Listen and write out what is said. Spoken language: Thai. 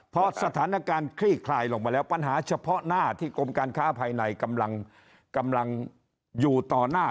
พอสถานการณ์คลี่คลายลงมาแล้วปัญหาเฉพาะหน้าที่กรมการค้าภายในกำลังอยู่ต่อหน้า